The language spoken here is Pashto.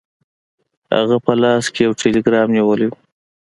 هغه په لاس کې یو ټیلګرام نیولی و.